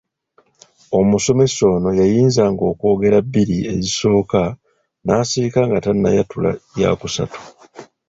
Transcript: Omusomesa ono yayinzanga okwogerayo bbiri ezisooka n’asirika nga tannayatula yaakusatu.